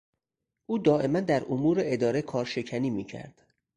او دائما در امور اداره کار شکنی میکرد.